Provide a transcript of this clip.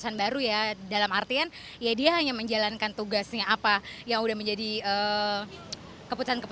anggaran selamische istanbunnya asing namun meraja nyawanya coleksif